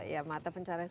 ya mata pencaharian baru